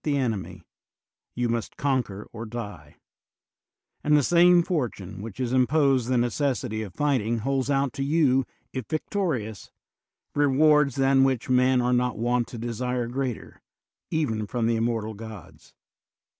THE WORLD'S FAMOUS ORATIONS enemy, you must conquer or die; and the same fortune which has imposed the necessity of fighting holds out to you, if victorious, rewards than which men are not wont to desire greater, even from the immortal gods.